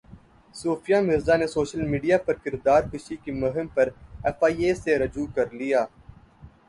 صوفیہ مرزا نے social media پرکردار کشی کی مہم پر ایف ائی اے سے رجوع کر لیا